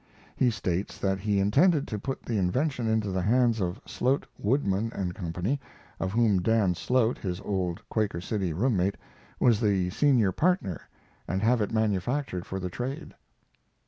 He states that he intends to put the invention into the hands of Slote, Woodman & Co., of whom Dan Slote, his old Quaker City room mate, was the senior partner, and have it manufactured for the trade.